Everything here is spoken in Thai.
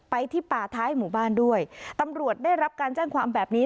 ที่ป่าท้ายหมู่บ้านด้วยตำรวจได้รับการแจ้งความแบบนี้